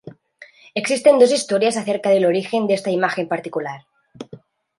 Existen dos historias acerca del origen de esta imagen particular.